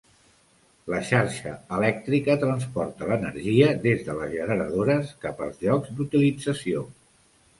La xarxa elèctrica transporta l'energia des de les generadores cap als llocs d'utilització.